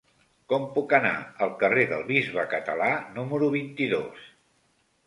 Com puc anar al carrer del Bisbe Català número vint-i-dos?